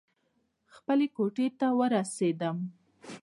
خپلې کوټې ته راورسېدم.